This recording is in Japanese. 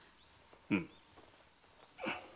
うん。